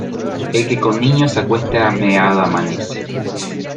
El que con niños se acuesta, meado amanece.